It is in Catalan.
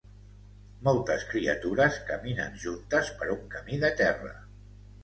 Moltes criatures caminen juntes per un camí de terra.